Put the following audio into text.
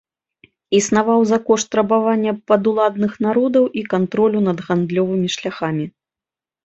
Існаваў за кошт рабавання падуладных народаў і кантролю над гандлёвымі шляхамі.